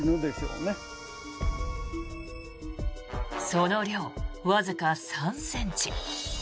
その量、わずか３ｃｍ。